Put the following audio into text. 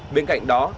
bên cạnh đó